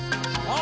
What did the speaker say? あ。